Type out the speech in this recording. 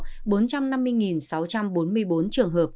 tổng cộng bốn trăm năm mươi sáu trăm bốn mươi bốn trường hợp